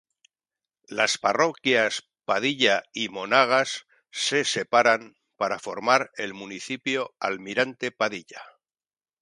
Las parroquias Padilla y Monagas se separan para formar el Municipio Almirante Padilla.